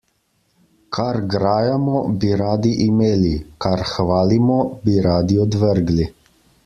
Kar grajamo, bi radi imeli, kar hvalimo, bi radi odvrgli.